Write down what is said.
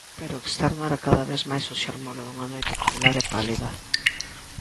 Pero o externo era cada vez máis o xermolo dunha noite tubular e pálida.